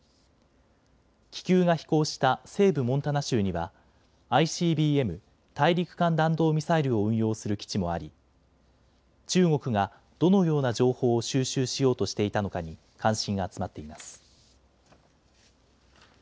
気球が飛行した西部モンタナ州にはＩＣＢＭ・大陸間弾道ミサイルを運用する基地もあり中国がどのような情報を収集しようとしていたのかに関心が集まっています。